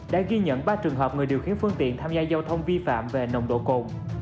đã ghi nhận ba trường hợp người điều khiển phương tiện tham gia giao thông vi phạm về nồng độ cồn